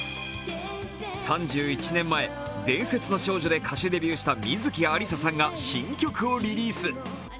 ３１年前、「伝説の少女」で歌手デビューした観月ありささんが新曲をリリース。